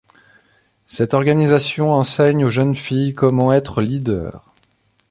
Cette organisation enseigne aux jeunes filles comment être leadeurs.